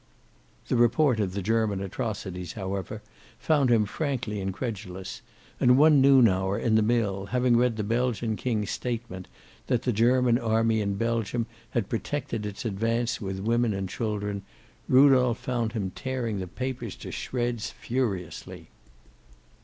The report of the German atrocities, however, found him frankly incredulous, and one noon hour, in the mill, having read the Belgian King's statement that the German army in Belgium had protected its advance with women and children, Rudolph found him tearing the papers to shreds furiously.